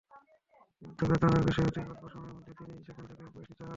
কিন্তু বেদনার বিষয়, অতি অল্প সময়ের মধ্যে তিনি সেখান থেকে বহিষ্কৃত হন।